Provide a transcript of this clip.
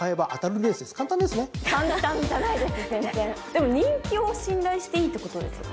でも人気を信頼していいってことですよね？